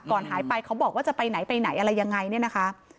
ก่อนหายไปเขาบอกว่าจะไปไหนไปไหนอะไรยังไงเนี่ยนะคะ